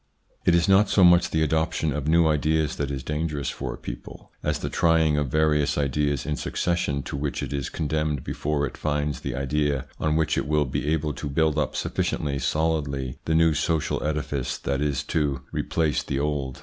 It is not so much the adoption of new ideas that is dangerous for a people, as the trying of various ideas in succession to which it is condemned before it finds the idea on which it will be able to build up sufficiently solidly the new social edifice that is to 186 THE PSYCHOLOGY OF PEOPLES: replace the old.